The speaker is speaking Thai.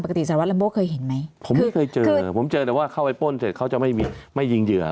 ผมไม่เคยเจอผมเจอแต่ว่าเข้าไปป้นเสร็จเขาจะไม่ยิงเหยื่อ